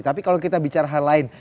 tapi kalau kita bicara hal lain